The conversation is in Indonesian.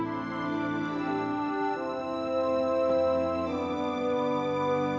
apika aku terkenal dengan kamu